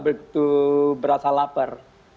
nggak begitu berasa lapar